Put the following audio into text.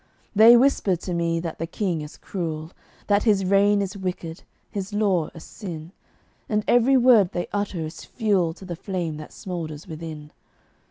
They whisper to me that the King is cruel, That his reign is wicked, his law a sin; And every word they utter is fuel To the flame that smoulders within.